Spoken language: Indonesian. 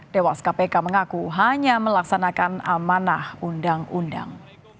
dewas kpk mengaku hanya melaksanakan amanah undang undang